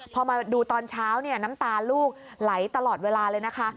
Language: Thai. พอมาดูตอนเช้าน้ำตาลูกไหลตลอดเวลาเลยนะคะ